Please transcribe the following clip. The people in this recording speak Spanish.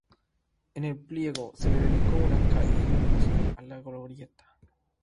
En Pliego se le dedicó una calle y un busto en la Glorieta.